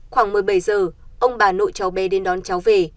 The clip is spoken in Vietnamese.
khoảng một mươi bảy giờ ông bà nội cháu bé đến đón cháu về